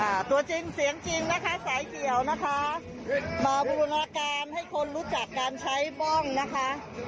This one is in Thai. ตัวจริงเสียงจริงนะคะสายเขียวนะคะมาบูรณาการให้คนรู้จักการใช้บ้องนะคะ